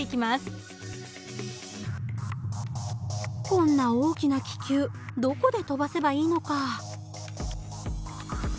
こんな大きな気球どこで飛ばせばいいのか。